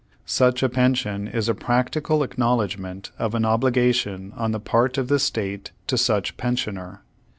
Such a pension is a practical acknowledgement of an obligation on the part of the state to such pensioner.